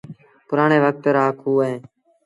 پُرآڻي وکت رآ کوه اهيݩ۔